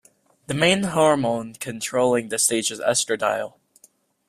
The main hormone controlling this stage is estradiol.